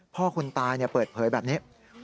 คนตายเปิดเผยแบบนี้